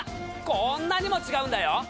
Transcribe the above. こんなにも違うんだよ！